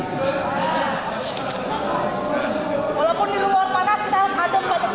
tadi sudah saya sampaikan